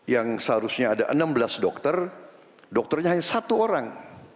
yang seharusnya ada enam belas dokter dokternya hanya satu orang